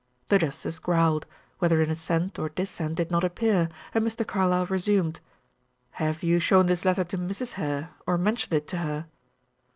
The justice growled, whether in assent or dissent did not appear, and Mr. Carlyle resumed, "Have you shown this letter to Mrs. Hare, or mentioned it to her?"